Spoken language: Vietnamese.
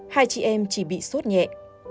hai chị em chỉ bị suốt nhẹ